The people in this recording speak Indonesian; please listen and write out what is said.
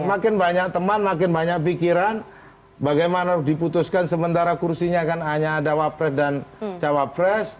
makin banyak teman makin banyak pikiran bagaimana diputuskan sementara kursinya kan hanya ada wapres dan cawapres